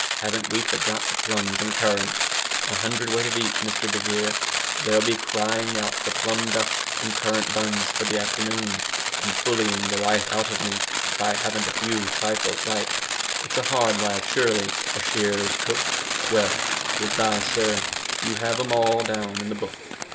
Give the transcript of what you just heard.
haven't we forgot the plums and currants? A hundredweight of each, Mr de Vere! They'll be crying out for plum duff and currant buns for the afternoon; and bullying the life out of me, if I haven't a few trifles like. It's a hard life, surely, a shearers' cook. Well, good bye, sir, you have 'em all down in the book."